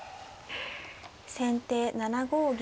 先手７五銀。